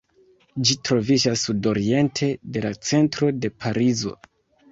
Ĝi troviĝas sudoriente de la centro de Parizo.